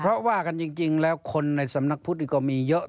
เพราะว่ากันจริงแล้วคนในสำนักพุทธนี่ก็มีเยอะ